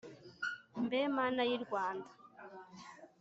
mbe mana y’i rwanda